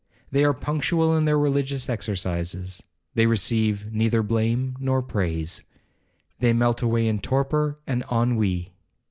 They are punctual in their religious exercises, they receive neither blame or praise,—they melt away in torpor and ennui.